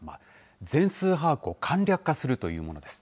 全数把握を簡略化するというものです。